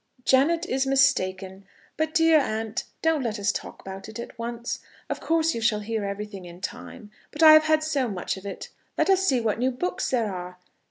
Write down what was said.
"Janet is mistaken. But, dear aunt, don't let us talk about it at once. Of course you shall hear everything in time, but I have had so much of it. Let us see what new books there are.